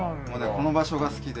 この場所が好きで。